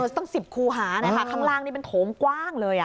ตั้ง๑๐คูหาข้างล่างเป็นโถงกว้างเลย